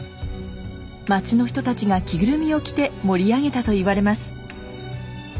町の人たちが着ぐるみを着て盛り上げたといわれます。